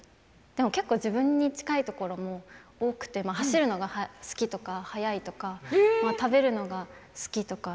でも結構自分に近いところも多くて走るのが好きとか速いとか食べるのが好きとか。